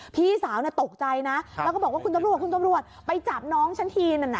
พี่สาวตกใจนะแล้วก็บอกว่าคุณตำรวจไปจับน้องชั้นทีนั้น